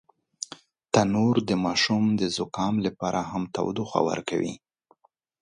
تنور د ماشوم د زکام لپاره هم تودوخه ورکوي